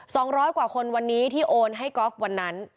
ร้อยกว่าคนวันนี้ที่โอนให้กอล์ฟวันนั้น